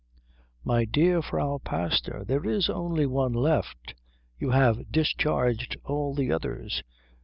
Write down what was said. "My dear Frau Pastor, there is only one left. You have discharged all the others.